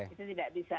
itu tidak bisa